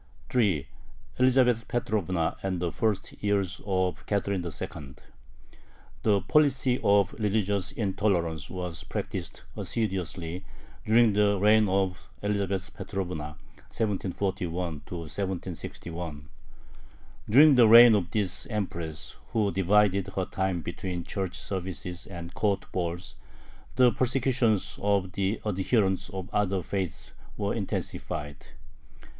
3. ELIZABETH PETROVNA AND THE FIRST YEARS OF CATHERINE II. The policy of religious intolerance was practiced assiduously during the reign of Elizabeth Petrovna (1741 1761). During the reign of this Empress, who divided her time between church services and court balls, the persecutions of the adherents of other faiths were intensified.